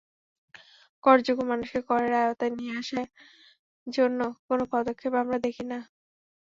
করযোগ্য মানুষকে করের আওতায় নিয়ে আসার জন্য কোনো পদক্ষেপ আমরা দেখি না।